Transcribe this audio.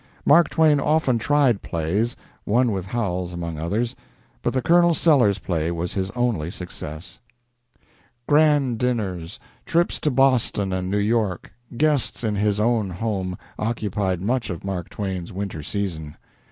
Mark Twain often tried plays one with Howells, among others but the Colonel Sellers play was his only success. Grand dinners, trips to Boston and New York, guests in his own home, occupied much of Mark Twain's winter season.